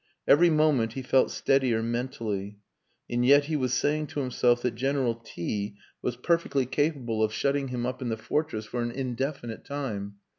Every moment he felt steadier mentally. And yet he was saying to himself that General T was perfectly capable of shutting him up in the fortress for an indefinite time.